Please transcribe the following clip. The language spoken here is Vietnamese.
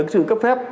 sự cấp phép